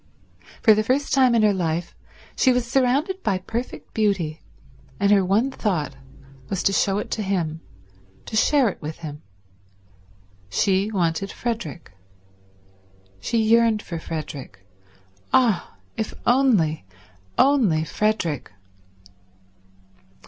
For the first time in her life she was surrounded by perfect beauty, and her one thought was to show it to him, to share it with him. She wanted Frederick. She yearned for Frederick. Ah, if only, only Frederick